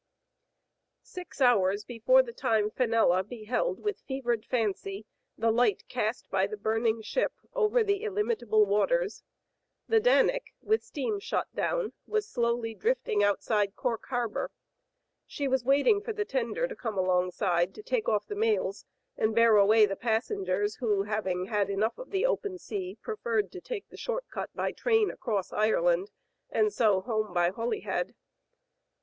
Six hours before the time Fenella beheld with fevered fancy the light cast by the burning ship over the illimitable waters, the Danic^ with steam shut down, was slowly drifting outside Cork Harbor. She was waiting for the tender to come alongside to take off the mails and bear away the passengers who, having had enough of the open sea, preferred to take the short cut by train across Ireland and so home by Holyhead.